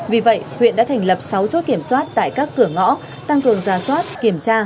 vì vậy huyện đã thành lập sáu chốt kiểm soát tại các cửa ngõ tăng cường giả soát kiểm tra